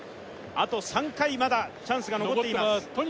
あと３回まだチャンスが残っています残ってます